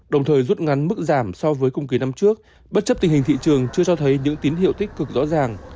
đồng thời rút ngắn mức giảm so với cùng kỳ năm trước bất chấp tình hình thị trường chưa cho thấy những tín hiệu tích cực rõ ràng